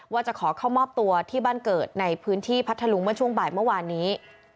ว่าจะขอเข้ามอบตัวที่บ้านเกิดในพื้นที่พัทธลุงเมื่อช่วงบ่ายเมื่อวานนี้